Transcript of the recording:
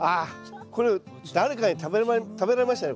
これ誰かに食べられましたね。